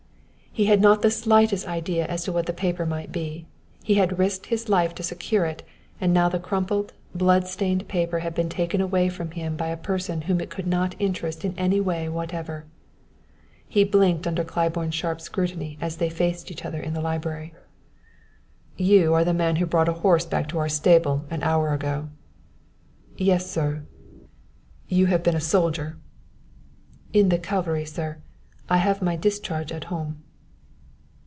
He had not the slightest idea as to what the paper might be. He had risked his life to secure it, and now the crumpled, blood stained paper had been taken away from him by a person whom it could not interest in any way whatever. He blinked under Claiborne's sharp scrutiny as they faced each other in the library. "You are the man who brought a horse back to our stable an hour ago." "Yes, sir." "You have been a soldier." "In the cavalry, sir. I have my discharge at home."